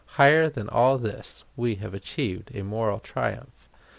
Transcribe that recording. Higher than all this, we have achieved a moral triumph.